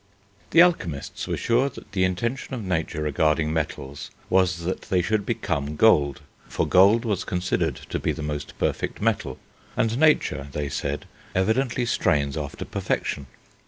The alchemists were sure that the intention of nature regarding metals was that they should become gold, for gold was considered to be the most perfect metal, and nature, they said, evidently strains after perfection.